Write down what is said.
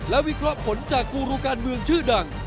และวิเคราะห์ผลจากกูรูการเมืองชื่อดัง